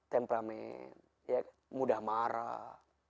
temperament ya mudah marah